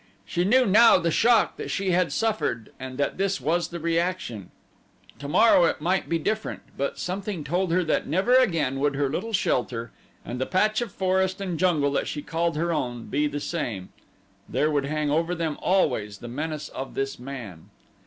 She knew now the shock that she had suffered and that this was the reaction. Tomorrow it might be different, but something told her that never again would her little shelter and the patch of forest and jungle that she called her own be the same. There would hang over them always the menace of this man.